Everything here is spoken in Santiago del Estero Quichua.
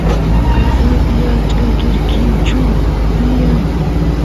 qasapi achka quirquinchu tiyan